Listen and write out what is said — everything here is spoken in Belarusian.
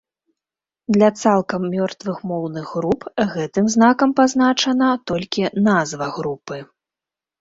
Для цалкам мёртвых моўных груп гэтым знакам пазначана толькі назва групы.